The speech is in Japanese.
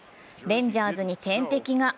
レンジャーズに天敵が。